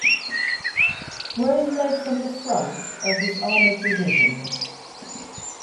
Rose led from the front of his armored division.